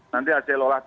nanti aja olah ckp